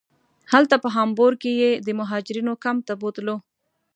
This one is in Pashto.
همالته په هامبورګ کې یې د مهاجرینو کمپ ته بوتلو.